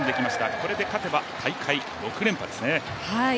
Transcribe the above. これで勝てば大会６連覇ですね。